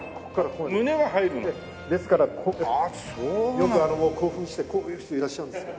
よく興奮してこういう人いらっしゃるんですけど。